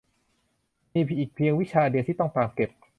มีอีกเพียงวิชาเดียวที่ต้องตามเก็บ